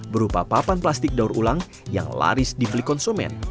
berupa papan plastik daur ulang yang laris dibeli konsumen